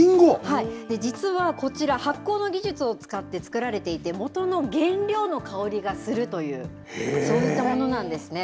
実はこちら、発酵の技術を使って作られていて、元の原料の香りがするという、そういったものなんですね。